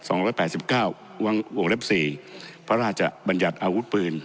ร้อยแปดสิบเก้าวงเล็บสี่พระราชบัญญัติอาวุธปืน